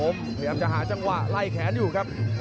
พยายามจะหาจังหวะไล่แขนอยู่ครับ